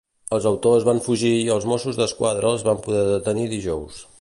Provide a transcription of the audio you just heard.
Els autors van fugir i els Mossos d'Esquadra els van poder detenir dijous.